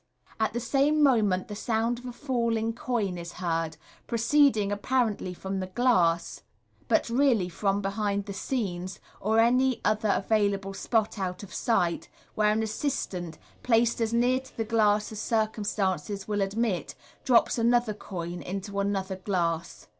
" At the same moment the sound of a falling coin is heard, pro ceeding apparently from the glass, but really from behind the scenes, or any other available spot out of sight, where an assistant, placed as near to the glass as circumstances will admit, drops another coin into another glass.